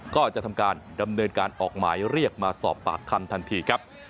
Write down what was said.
ก็จะทำการดำเนินการออกหมายเรียกมาสอบปากคำทันทีครับ